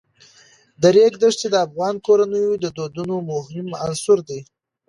د ریګ دښتې د افغان کورنیو د دودونو مهم عنصر دی.